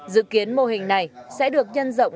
dự kiến mô hình này sẽ được nhân rộng